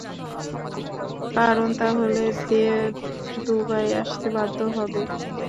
কারণ তাহলে "দেব" দুবাই আসতে বাধ্য হবে।